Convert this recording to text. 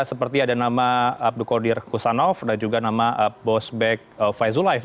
seperti ada nama abdulkadir kusanov dan juga nama bosbek faizulayf